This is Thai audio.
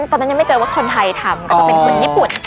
ตอนนั้นยังไม่เจอว่าคนไทยทำก็จะเป็นคนญี่ปุ่น